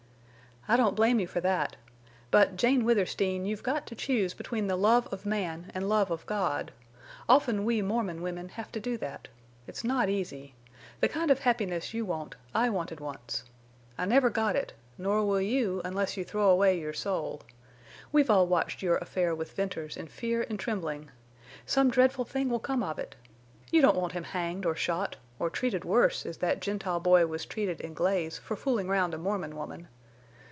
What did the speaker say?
"I don't blame you for that. But, Jane Withersteen, you've got to choose between the love of man and love of God. Often we Mormon women have to do that. It's not easy. The kind of happiness you want I wanted once. I never got it, nor will you, unless you throw away your soul. We've all watched your affair with Venters in fear and trembling. Some dreadful thing will come of it. You don't want him hanged or shot—or treated worse, as that Gentile boy was treated in Glaze for fooling round a Mormon woman.